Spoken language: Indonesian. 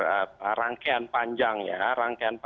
ada dukan penulis dan pengajaran masyarakat yang kita terima